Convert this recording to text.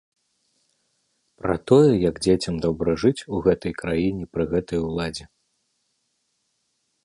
Пра тое, як дзецям добра жыць ў гэтай краіне пры гэтай уладзе.